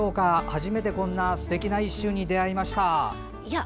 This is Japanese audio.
初めてこんなすてきな一瞬に出会いました。